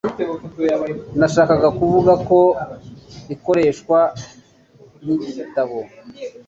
Nashakaga kuvuga ko ikoreshwa nkigitabo.